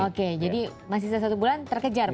oke jadi masih satu bulan terkejar